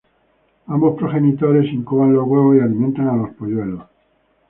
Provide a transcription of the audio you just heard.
Ambos progenitores incuban los huevos y alimentan a los polluelos.